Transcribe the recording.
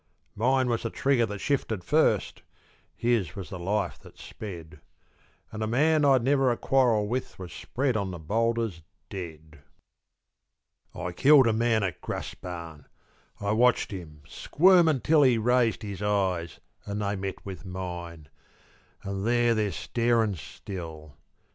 Mine was the trigger that shifted first, His was the life that sped. An' a man I'd never a quarrel with Was spread on the boulders dead. I killed a man at Graspan; I watched him squirmin' till He raised his eyes, an' they met with mine; An' there they're starin' still.